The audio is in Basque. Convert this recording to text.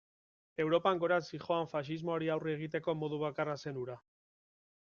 Europan gorantz zihoan faxismoari aurre egiteko modu bakarra zen hura.